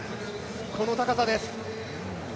この高さです。